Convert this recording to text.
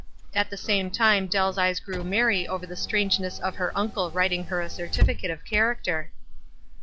At the same time Dell's eves grew merry over the strangeness of her uncle writing her a certificate of character.